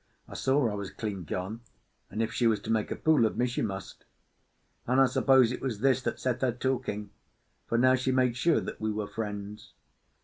I saw I was clean gone; and if she was to make a fool of me, she must. And I suppose it was this that set her talking, for now she made sure that we were friends.